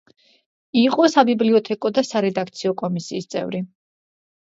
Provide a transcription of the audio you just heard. იყო საბიბლიოთეკო და სარედაქციო კომისიის წევრი.